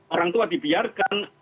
orang tua dibiarkan